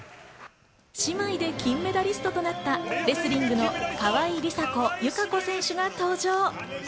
姉妹で金メダリストとなったレスリングの川井梨紗子、友香子選手が登場。